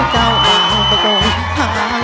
เจ้าอ่างตะโกงทาง